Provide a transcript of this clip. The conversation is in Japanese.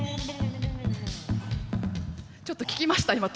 ちょっと聴きました？